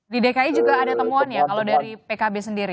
di dki juga ada temuan ya kalau dari pkb sendiri